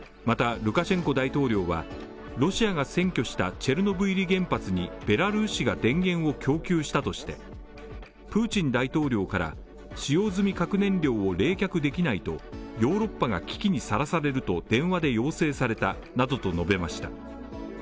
また、ルカシェンコ大統領はロシアが占拠したチェルノブイリ原発にベラルーシが電源を供給したとしてプーチン大統領から使用済み核燃料を冷却できないと、ヨーロッパが危機にさらされると電話で要請されたなどと述べました。